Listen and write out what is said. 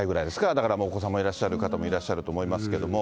だからもうお子さんもいらっしゃる方もいらっしゃると思いますけども。